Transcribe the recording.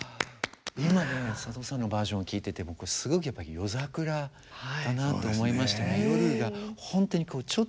今のね佐藤さんのバージョンを聴いてて僕すごくやっぱり夜桜だなと思いましたね。